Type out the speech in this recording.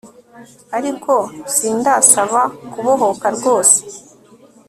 ariko sindasaba kubohoka rwose